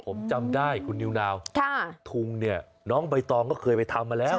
ผมจำได้คุณนิวนาวทุงเนี่ยน้องใบตองก็เคยไปทำมาแล้ว